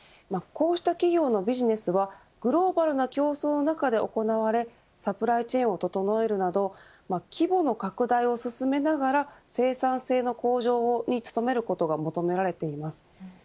こうした企業のビジネスはグローバルな競争の中で行われサプライチェーンを整えるなど規模の拡大を進めながら生産性の向上に努めることが求められています。